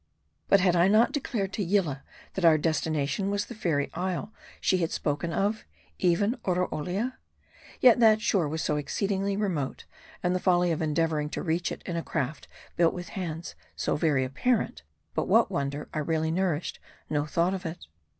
But had I not declared to Yillah, that our destination was the fairy isle she spoke of, even Oroolia ? Yet that shore was so exceedingly remote, and the folly of endeavor ing to reach it in a craft built with hands, so very apparent, that what wonder I really nourished no thought of it